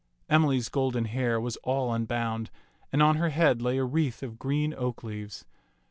Emily's golden hair was all unbound, and on her head lay a wreath of green oak leaves.